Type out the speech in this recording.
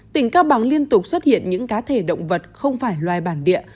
tỉnh cao bằng liên tục xuất hiện những cá thể động vật không phải loài bản địa